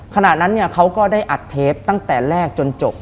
ขณะนั้นเนี่ยเขาก็ได้อัดเทปตั้งแต่แรกจนจบ